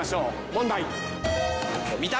問題。